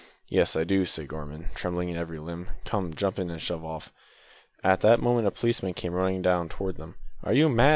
"Yes, I do," said Gorman, trembling in every limb; "come, jump in, and shove off." At that moment a policeman came running down towards them. "Are you mad?"